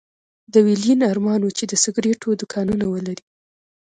د ويلين ارمان و چې د سګرېټو دوکانونه ولري.